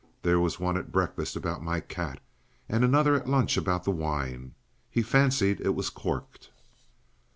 There was one at breakfast about my cat and another at lunch about the wine. He fancied it was corked."